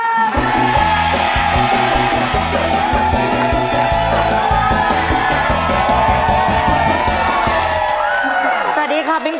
พี่หอยคิดถึงอัปเดตมากเลยนะพี่หอยบอก